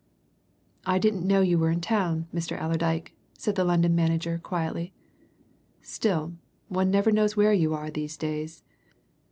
"I didn't know you were in town, Mr. Allerdyke," said the London manager quietly. "Still, one never knows where you are these days."